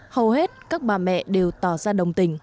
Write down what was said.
hầu hết các bà mẹ đều tỏ ra đồng tình